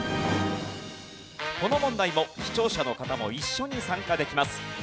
この問題も視聴者の方も一緒に参加できます。